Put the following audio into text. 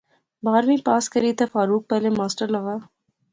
بارہویں پاس کری تے فاروق پہلے ماسٹر لاغا